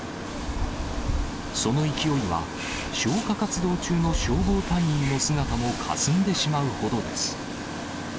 その勢いは、消火活動中の消防隊員の姿もかすんでしまうほどです。